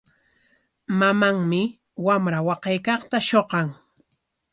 Mamanmi wamra waqaykaqta shuqan.